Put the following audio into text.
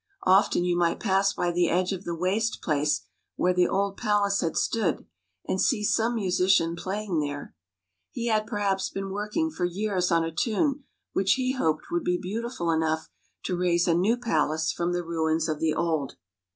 Often you might pass by the edge of the waste place where the old palace had stood, and see some musician playing there. He had, perhaps, been working for years on a tune which he hoped would be beautiful enough to raise a new palace from the ruins of the old.